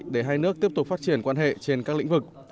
để hai nước tiếp tục phát triển quan hệ trên các lĩnh vực